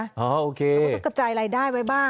ต้องกระจายรายได้ไว้บ้าง